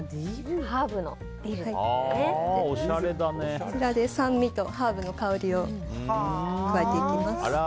こちらで酸味とハーブの香りを加えていきます。